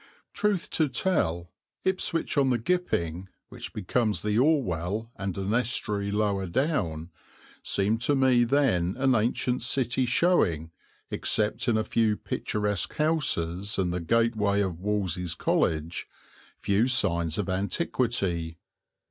Truth to tell, Ipswich on the Gipping, which becomes the Orwell and an estuary lower down, seemed to me then an ancient city showing, except in a few picturesque houses and the gateway of Wolsey's College, few signs of antiquity.